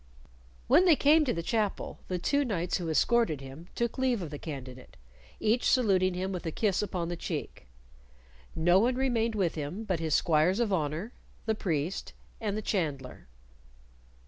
When they came to the chapel, the two knights who escorted him took leave of the candidate, each saluting him with a kiss upon the cheek. No one remained with him but his squires of honor, the priest, and the chandler.